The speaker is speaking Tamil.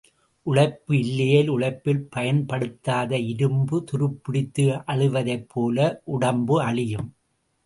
உழைப்பு இல்லையேல், உழைப்பில் பயன்படுத்தாத இரும்பு துருப்பிடித்து அழிவதைப்போல உடம்பு அழியும்.